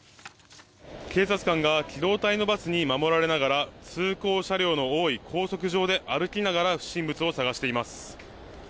警察官が機動隊のバスに守られながら通行車両の多い高速上で歩きながら不審物を探しています。